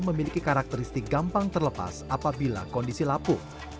memiliki karakteristik gampang terlepas apabila kondisi lapu